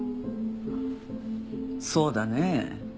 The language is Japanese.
そうだねえ。